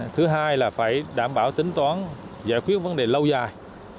thứ hai là phải đảm bảo tính toán giải quyết vấn đề lâu dài